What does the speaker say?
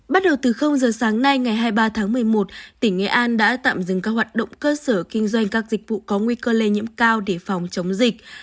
bắt đầu từ giờ sáng nay ngày hai mươi ba tháng một mươi một tỉnh nghệ an đã tạm dừng các hoạt động cơ sở kinh doanh các dịch vụ có nguy cơ lây nhiễm cao để phòng chống dịch